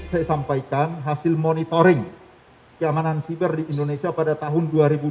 saya sampaikan hasil monitoring keamanan siber di indonesia pada tahun dua ribu dua puluh